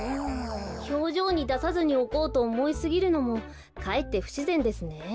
ひょうじょうにださずにおこうとおもいすぎるのもかえってふしぜんですね。